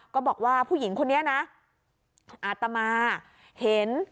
ก็บอกว่าผู้หญิงคนนี้นะอาตมาเห็น